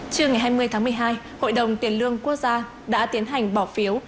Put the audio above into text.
trưa ngày hai mươi tháng một mươi hai hội đồng tiền lương quốc gia đã tiến hành bỏ phiếu